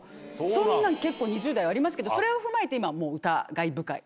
そんなん結構２０代はありますけどそれを踏まえて。